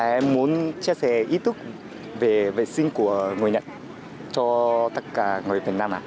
em muốn chia sẻ ý tức về vệ sinh của người nhật cho tất cả người việt nam